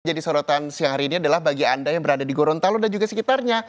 jadi sorotan siang hari ini adalah bagi anda yang berada di gorontalo dan juga sekitarnya